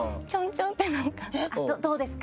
「どうですか？」